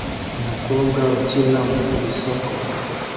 Umukobwa ukina mu isoko